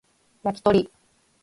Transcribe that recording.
焼き鳥